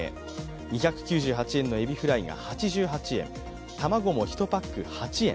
２９８円のエビフライが８８円、卵も１パック８円